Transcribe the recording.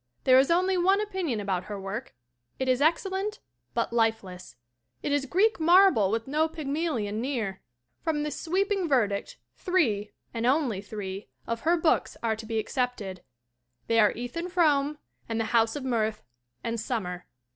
There is only one opinion about her work: it is excellent but lifeless; it is Greek marble with no Pygmalion near. From this sweeping ver dict three and only three of her books are to be excepted. They are Ethan Frome and The House of Mirth and Summer.